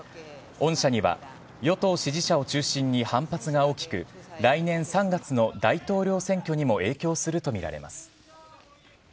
恩赦には与党支持者を中心に反発が大きく来年３月の大統領選挙にも影響するとみられます。